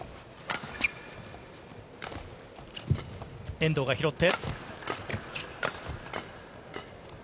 遠藤が拾って。